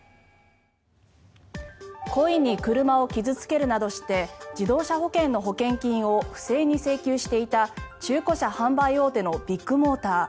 故意に車を傷付けるなどして自動車保険の保険金を不正に請求していた中古車販売大手のビッグモーター。